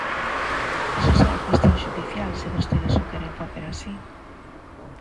Iso será cuestión xudicial se vostedes o queren facer así.